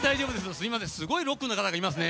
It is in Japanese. すごいロックな方がいますね。